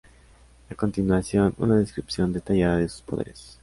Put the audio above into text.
A continuación una descripción detallada de sus poderes.